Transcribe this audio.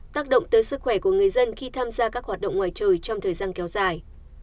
tác động tới sức khỏe của người dân khi tham gia các hoạt động ngoài trời trong thời gian kéo dài